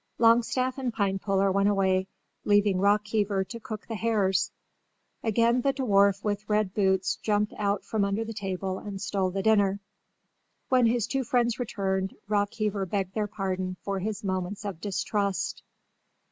Longstaff and Pinepuller went away, leaving Rockheaver to cook the hares. Again the dwarf with red boots jumped out from under the table and stole the dinner. When his two friends returned Rockheaver begged their pardon for his moments of distrust.